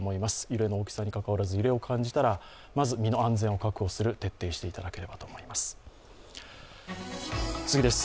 揺れの大きさにかかわらず、揺れを感じたら、まず、身の安全を確保する徹底していただければと思います。